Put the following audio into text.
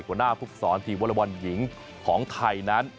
หัวหน้าภูกษรทีมวอลบอลหญิงของไทยนั้น